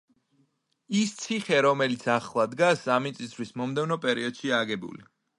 ის ციხე კი, რომელიც ახლა დგას, ამ მიწისძვრის მომდევნო პერიოდშია აგებული.